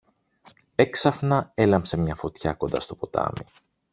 Έξαφνα έλαμψε μια φωτιά κοντά στο ποτάμι.